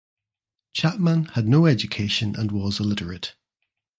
Chapman had no education and was illiterate.